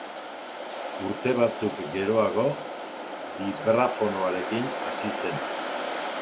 Urte batzuk geroago, bibrafonoarekin hasi zen.